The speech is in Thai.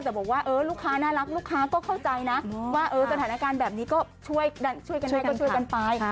แต่บอกว่าลูกค้าน่ารักลูกค้าก็เข้าใจนะว่าสถานการณ์แบบนี้ก็ช่วยกันได้ก็ช่วยกันไป